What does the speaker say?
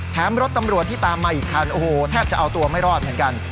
รถตำรวจที่ตามมาอีกคันโอ้โหแทบจะเอาตัวไม่รอดเหมือนกัน